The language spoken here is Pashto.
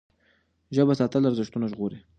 ژبه ساتل ارزښتونه ژغوري.